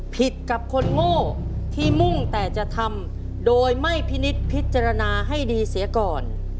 ผิดกับคนโง่ที่มุ่งแต่จะทำโดยไม่พินิษฐ์พิจารณาให้ดีเสียก่อน